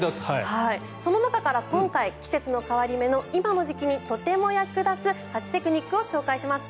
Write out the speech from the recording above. その中から今回季節の変わり目の今の時期にとても役立つ家事テクニックを紹介します。